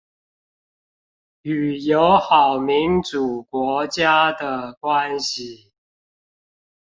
與友好民主國家的關係